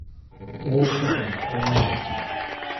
大分県九重町